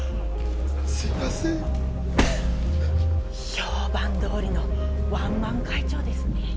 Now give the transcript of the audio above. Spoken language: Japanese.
評判どおりのワンマン会長ですね。